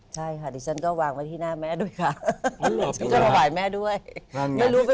ใช่ค่ะดิฉันก็วางไว้ที่หน้าแม่ด้วยค่ะ